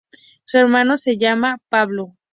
Su hermano se llamaba Pablo.